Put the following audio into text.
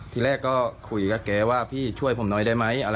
ทีแรกก็คุยกับแกว่าพี่ช่วยผมหน่อยได้ไหม